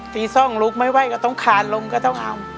ซ่องลุกไม่ไหวก็ต้องขาดลมก็ต้องเอา